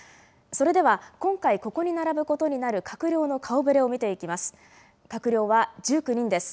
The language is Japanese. それでは今回、ここに並ぶことになる閣僚の顔ぶれを見ていきます。